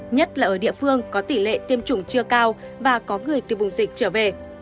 nhất là ở địa phương có tỷ lệ tiêm chủng chưa cao và có người từ vùng dịch trở về